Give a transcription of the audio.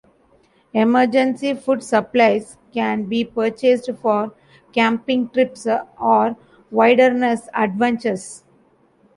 Emergency food supplies can be purchased for camping trips or wilderness adventures.